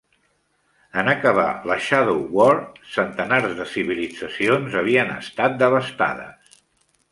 En acabar la Shadow War, centenars de civilitzacions havien estat devastades.